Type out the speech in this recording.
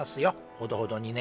ほどほどにね。